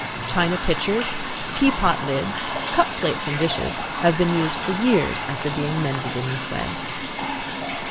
China pitchers, tea pot lids, cup plates and dishes, have been used for years after being mended in this way.